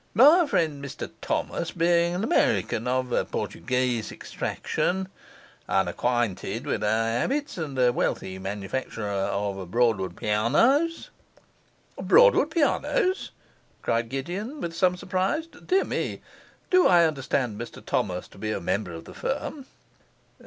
My friend Mr Thomas, being an American of Portuguese extraction, unacquainted with our habits, and a wealthy manufacturer of Broadwood pianos ' 'Broadwood pianos?' cried Gideon, with some surprise. 'Dear me, do I understand Mr Thomas to be a member of the firm?